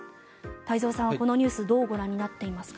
太蔵さんはこのニュースをどうご覧になっていますか。